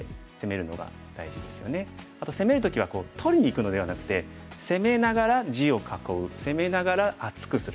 あと攻める時は取りにいくのではなくて攻めながら地を囲う攻めながら厚くする